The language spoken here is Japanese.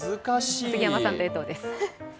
杉山さんと江藤です。